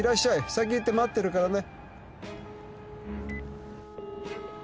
先行って待ってるからね。